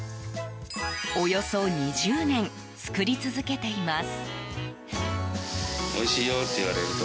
およそ２０年作り続けています。